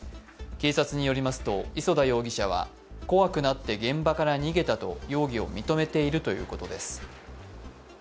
警察によりますと磯田容疑者は怖くなって現場から逃げたと容疑を認めているということです。